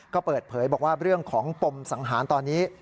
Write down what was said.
ก็เปิดเผยบอกว่าเรื่องของปมสังหารตอนนี้